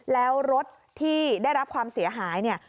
แล้วรถที่ได้รับความเสียหายเนี่ย